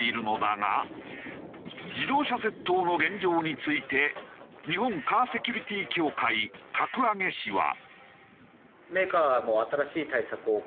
自動車窃盗の現状について日本カーセキュリティ協会攪上氏は。